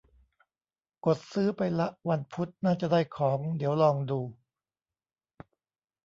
กดซื้อไปละ วันพุธน่าจะได้ของ เดี๋ยวลองดู